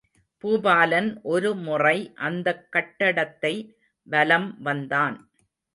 பூபாலன் ஒருமுறை அந்தக் கட்டடத்தை வலம் வந்தான்.